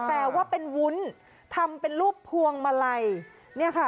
แต่ว่าเป็นวุ้นทำเป็นรูปพวงมาลัยเนี่ยค่ะ